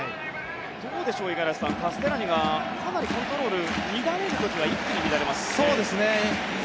五十嵐さん、カステラニがかなりコントロールが乱れる時は一気に乱れますね。